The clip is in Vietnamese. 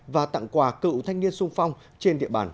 và tặng quà cựu thanh niên sung phong trên địa bàn